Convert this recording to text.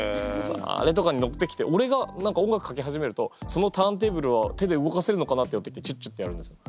あれとかに乗ってきて俺が音楽かけ始めるとそのターンテーブルは手で動かせるのかな？ってやって来てキュッキュッてやるんですよ。